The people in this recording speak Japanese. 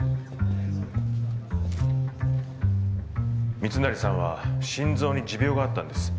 密成さんは心臓に持病があったんです。